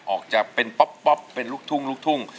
ออกจะเป็นป๊อปเป็นลูกทุ่งลูกทุ่ง